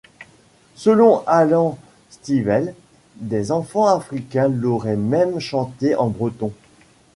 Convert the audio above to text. Selon Alan Stivell, des enfants africains l'auraient même chanté en breton.